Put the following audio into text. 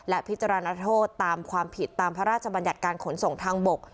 และพิจารณาโทษตามความผิดตามพระราชบัญญัติการขนส่งทางบก